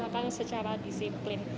dilaksanakan secara disiplin